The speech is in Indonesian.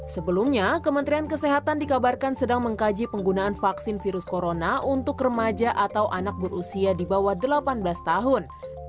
sebelumnya kementerian kesehatan dikabarkan sedang mengkaji penggunaan vaksin virus corona untuk remaja atau anak berusia di bawah delapan belas tahun